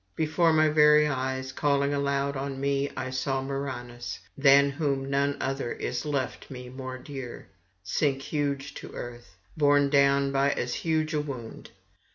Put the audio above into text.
Before my very eyes, calling aloud on me, I saw Murranus, than whom none other is left me more dear, sink huge to earth, borne down by as huge a wound.